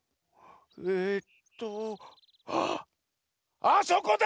えっとあっあそこだ！